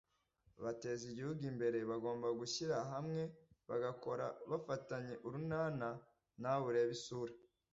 bateza igihugu imbere, bagomba gushyira hamwe bagakora bafatanye urunana ntawe ureba isura